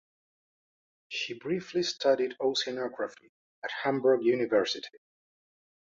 She briefly studied oceanography at Hamburg University.